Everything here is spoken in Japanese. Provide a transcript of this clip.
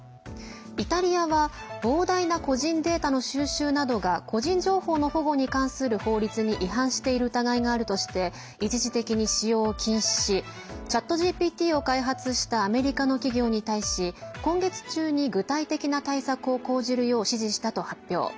イタリアは膨大な個人データの収集などが個人情報の保護に関する法律に違反している疑いがあるとして一時的に使用を禁止しＣｈａｔＧＰＴを開発したアメリカの企業に対し今月中に具体的な対策を講じるよう指示したと発表。